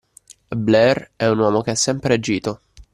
Blair è un uomo che ha sempre agito.